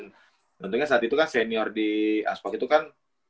tentunya saat itu kan senior di aspak itu kan